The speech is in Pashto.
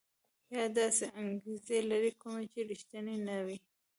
یا داسې انګېزې لري کومې چې ريښتيني نه وي.